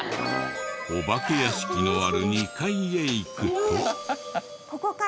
お化け屋敷のある２階へ行く。